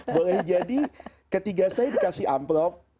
boleh jadi ketika saya dikasih amplop